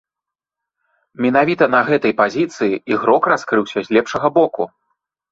Менавіта на гэтай пазіцыі ігрок раскрыўся з лепшага боку.